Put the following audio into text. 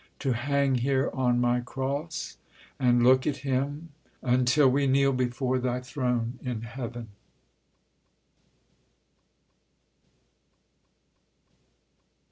To hang here on my cross, and look at him Until we kneel before Thy throne in heaven!